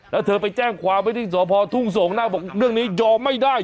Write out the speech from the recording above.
แล้วเธอไปแจ้งความไว้ที่สพทุ่งสงน่าบอกเรื่องนี้ยอมไม่ได้